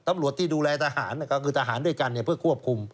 ตำรวจที่ดูแลทหารก็คือทหารด้วยกันเพื่อควบคุม